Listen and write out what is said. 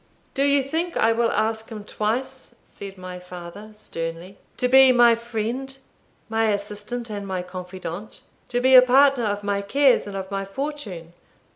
"Do you think I will ask him twice," said my father, sternly, "to be my friend, my assistant, and my confidant? to be a partner of my cares and of my fortune?